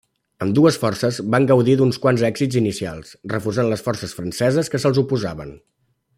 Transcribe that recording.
Ambdues forces van gaudir d'uns quants èxits inicials, refusant les forces franceses que se'ls oposaven.